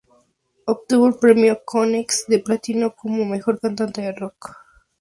Obtuvo el Premio Konex de Platino como Mejor Cantante de Rock.